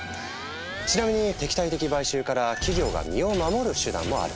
ちなみに敵対的買収から企業が身を守る手段もある。